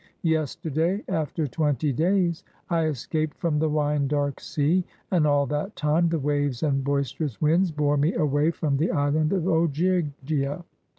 Yesterday, after twenty days, I escaped from the wine dark sea, and all that time the waves and boister ous winds bore me away from the island of Ogygia.